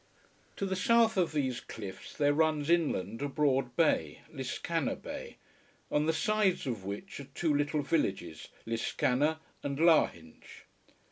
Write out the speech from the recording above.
To the south of these cliffs there runs inland a broad bay, Liscannor bay, on the sides of which are two little villages, Liscannor and Lahinch.